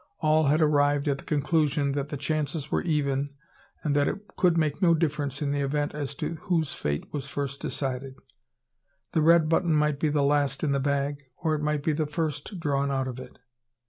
All had arrived at the conclusion that the chances were even, and that it could make no difference in the event as to whose fate was first decided. The red button might be the last in the bag, or it might be the first drawn out of it.